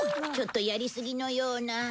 ちょっとやりすぎのような。